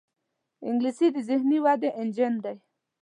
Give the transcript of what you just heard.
انګلیسي د ذهني ودې انجن دی